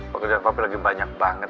pokoknya papi lagi banyak banget